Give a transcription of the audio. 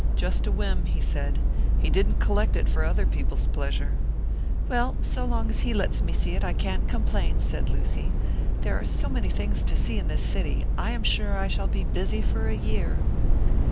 "Just a whim," he said. "He didn't collect it for other people's pleasure." "Well, so long as he lets me see it, I can't complain," said Lucy. "There are so many things to see in this city, I am sure I shall be busy for a year."